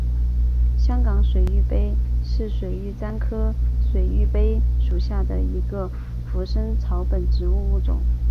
香港水玉杯是水玉簪科水玉杯属下的一个腐生草本植物物种。